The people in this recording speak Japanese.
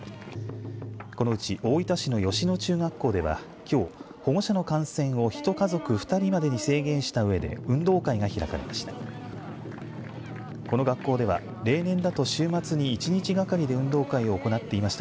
このうち大分市の吉野中学校ではきょう、保護者の観戦をひと家族２人までに制限したうえで運動会が開かれました。